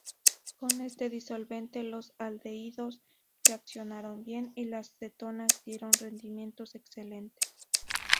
Con este disolvente, los aldehídos reaccionaron bien, y las cetonas dieron rendimientos excelentes.